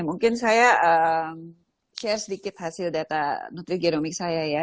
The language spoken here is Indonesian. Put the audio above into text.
mungkin saya share sedikit hasil data nutrigenomik saya ya